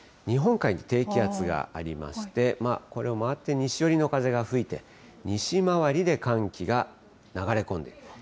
日本海に低気圧がありまして、これを回って西寄りの風が吹いて、西回りで寒気が流れ込んでいる。